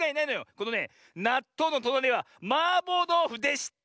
このねなっとうのとなりはマーボーどうふでした！